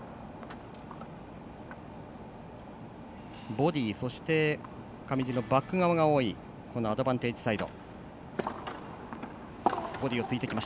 ボディー、そして上地のバック側が多いこのアドバンテージサイド。